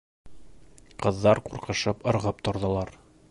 Ҡыҙҙар ҡурҡышып ырғып торҙолар.